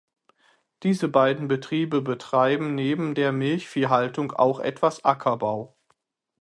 Diese beiden Betriebe betreiben neben der Milchviehhaltung auch etwas Ackerbau.